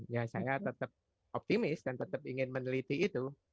ya saya tetap optimis dan tetap ingin meneliti itu